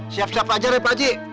siap siap aja deh pak haji